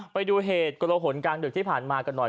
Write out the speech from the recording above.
ไปดูเหตุกระโหลขนการเดือดที่ผ่านมากันหน่อย